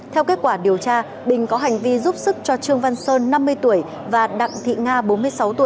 theo kết quả điều tra bình có hành vi giúp sức cho trương văn sơn năm mươi tuổi và đặng thị nga bốn mươi sáu tuổi